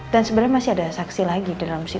dan sebenernya masih ada saksi lagi di dalam situ